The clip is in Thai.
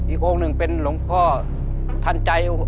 องค์หนึ่งเป็นหลวงพ่อทันใจ